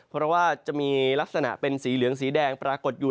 เพราะว่าจะมีลักษณะเป็นสีเหลืองสีแดงปรากฏอยู่